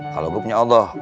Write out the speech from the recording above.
kalau gue punya allah